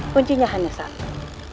kuncinya hanya satu